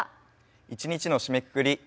一日の締めくくり。